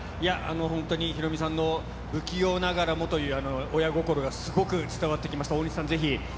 本当にヒロミさんの不器用ながらもという親心がすごく伝わってきました。